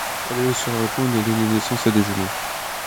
Elle est sur le point de donner naissance à des jumeaux.